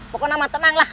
pokoknya aman tenanglah